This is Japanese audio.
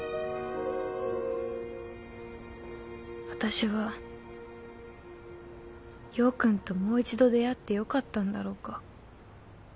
私は陽君ともう一度出会ってよかったんだろうか？